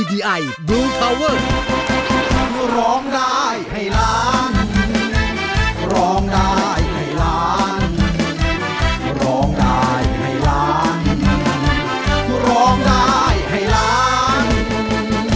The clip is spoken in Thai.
วันเวลาจะหมดแล้ว